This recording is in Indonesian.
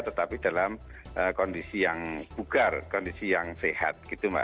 tetapi dalam kondisi yang bugar kondisi yang sehat